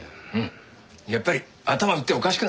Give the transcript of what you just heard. やっぱり頭打っておかしくなったんだ。